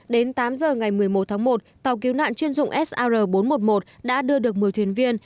đến tám giờ ngày một mươi một tháng một tàu cứu nạn chuyên dụng sr bốn trăm một mươi một đã đưa được một mươi thuyền viên